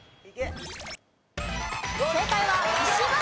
正解は石橋。